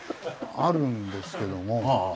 あるんですけども。